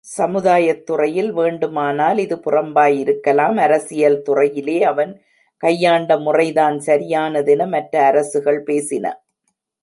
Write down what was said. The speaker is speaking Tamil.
சமுதாயத்துறையில் வேண்டுமானால் இது புறம்பாயிருக்கலாம் அரசியல் துறையிலே அவன் கையாண்ட முறைதான் சரியானதென மற்ற அரசுகள் பேசின.